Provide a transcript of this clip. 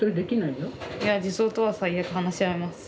いや児相とは最悪話し合います